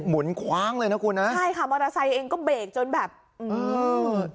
คว้างเลยนะคุณนะใช่ค่ะมอเตอร์ไซค์เองก็เบรกจนแบบอืม